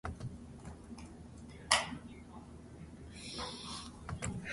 Note that the noncentrality parameter may be negative.